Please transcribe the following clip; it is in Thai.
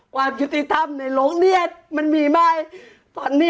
การยุติธรรมในโลกเด้นมันมีไหม